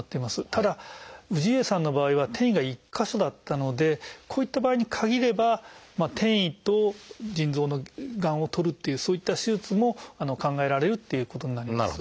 ただ氏家さんの場合は転移が１か所だったのでこういった場合に限れば転移と腎臓のがんをとるっていうそういった手術も考えられるっていうことになります。